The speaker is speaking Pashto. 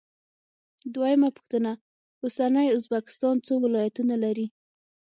دویمه پوښتنه: اوسنی ازبکستان څو ولایتونه لري؟